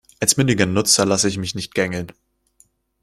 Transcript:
Als mündiger Nutzer lasse ich mich nicht gängeln.